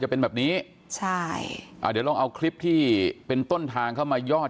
จะเป็นแบบนี้ใช่อ่าเดี๋ยวลองเอาคลิปที่เป็นต้นทางเข้ามายอด